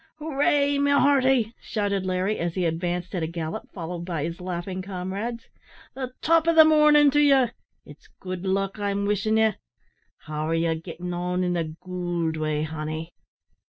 "Hooray, my hearty!" shouted Larry, as he advanced at a gallop, followed by his laughing comrades. "The top o' the mornin' to ye it's good luck I'm wishin' ye, avic. How are ye gittin' on in the goold way, honey?"